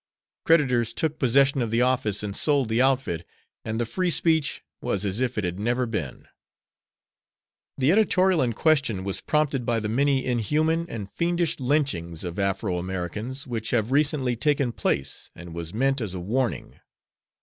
Creditors took possession of the office and sold the outfit, and the Free Speech was as if it had never been. The editorial in question was prompted by the many inhuman and fiendish lynchings of Afro Americans which have recently taken place and was meant as a warning.